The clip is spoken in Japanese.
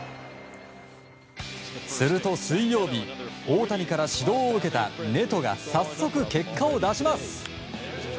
すると水曜日大谷から指導を受けたネトが早速、結果を出します。